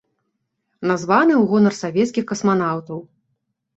Названы ў гонар савецкіх касманаўтаў.